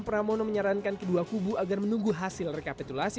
pramono menyarankan kedua kubu agar menunggu hasil rekapitulasi